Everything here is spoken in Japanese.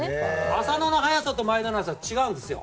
浅野の速さと前田の速さは違うんです。